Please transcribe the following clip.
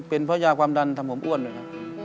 เป็นเพราะยาความดันทำผมอ้วนด้วยครับ